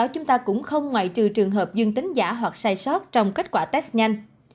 chúng ta cũng không ngoại trừ trường hợp dương tính giả hoặc sai sót trong kết quả test nhanh